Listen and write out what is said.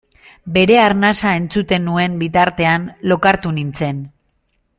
Bere arnasa entzuten nuen bitartean lokartu nintzen.